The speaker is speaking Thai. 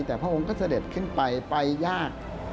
แต่พระองค์ก็เสด็จขึ้นไปไปยาก